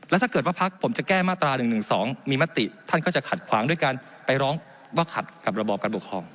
ถ้าเกิดว่าพักผมจะแก้มาตรา๑๑๒มีมติท่านก็จะขัดขวางด้วยการไปร้องว่าขัดกับระบอบการปกครอง